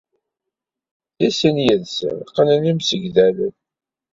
Deg sin yid-sen qqnen imsegdalen?